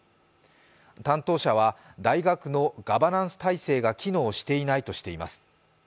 担当者は大学のガバナンス体制が機能していないとしています。